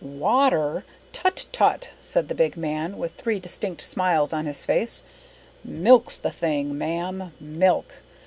"Water? Tut, tut!" said the big man, with three distinct smiles on his face. "Milk's the thing, ma'am milk.